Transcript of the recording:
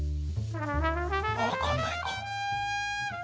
分かんないか。